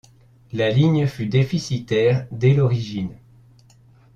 La ligne fut déficitaire dès l'origine.